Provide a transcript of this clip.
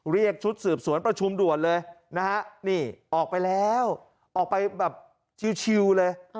เรียกชุดสืบสวนประชุมด่วนเลยนะฮะนี่ออกไปแล้วออกไปแบบชิลเลย